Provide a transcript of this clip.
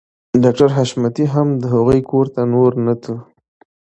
ډاکټر حشمتي هم د هغوی کور ته نور نه ته